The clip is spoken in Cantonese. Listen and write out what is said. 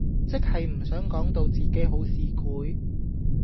即係唔想講到自己好市儈